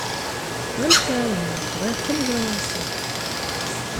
D lxir a yemma, bɣiɣ kan ad waliɣ Akli.